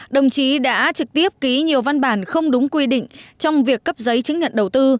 đồng chí đã trực tiếp ký nhiều văn bản không đúng quy định trong việc cấp giấy chứng nhận đầu tư